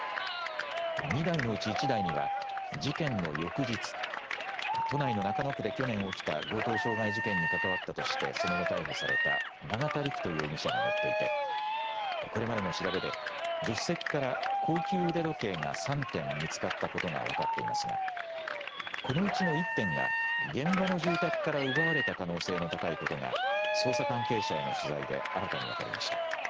２台のうち１台には、事件の翌日、都内の中野区で去年起きた強盗傷害事件に関わったとしてその後逮捕された、永田陸人容疑者が乗っていて、これまでの調べで、助手席から高級腕時計が３点見つかったことが分かっていますが、このうちの１点が、現場の住宅から奪われた可能性の高いことが、捜査関係者への取材で新たに分かりました。